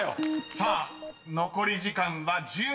［さあ残り時間は１７秒６７］